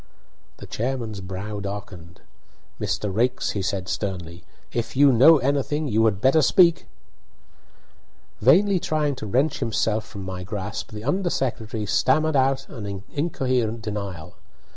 The chairman's brow darkened. "Mr. Raikes," he said, sternly, "if you know anything you had better speak." Vainly trying to wrench himself from my grasp, the under secretary stammered out an incoherent denial.